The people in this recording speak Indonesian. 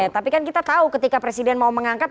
tapi kan kita tahu ketika presiden mau mengangkat